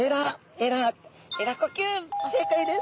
えら呼吸正解です。